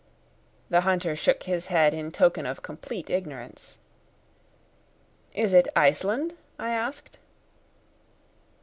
The hunter shook his head in token of complete ignorance. "Is it Iceland?" I asked.